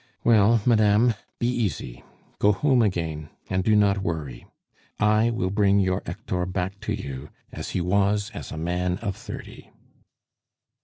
Well, madame, be easy, go home again, and do not worry. I will bring your Hector back to you as he was as a man of thirty."